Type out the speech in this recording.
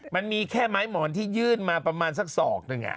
มันมีแค่ไม้หมอนที่ยื่นมาประมาณสักศอกหนึ่ง